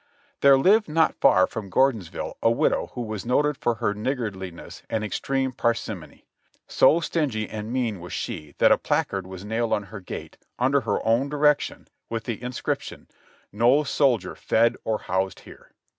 There lived not far from Gordonsville a widow who was noted for her niggardliness and extreme parsimony; so stingy and mean was she that a placard was nailed on her gate, under her own direction, with the inscription : "No soldier fed or housed here."